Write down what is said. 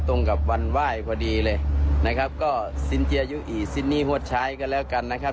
ตรงกับวันไหว้พอดีเลยนะครับก็ซินเจียยุอีซินนี่หัวใช้กันแล้วกันนะครับ